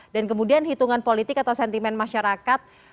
dan kemudian hitungan politik atau sentimen masyarakat